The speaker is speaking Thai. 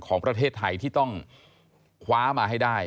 ของประเทศไทยที่ต้องคว้ามาให้ได้